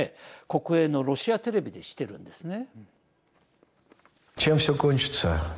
国営のロシアテレビでしているんですね。